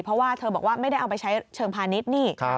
เพราะว่าเธอบอกว่าไม่ได้เอาไปใช้เชิงพาณิชย์นี่